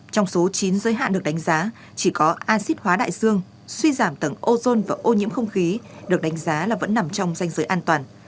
trong số chín giới hạn được đánh giá chỉ có acid hóa đại dương suy giảm tầng ozone và ô nhiễm không khí được đánh giá là vẫn nằm trong danh giới an toàn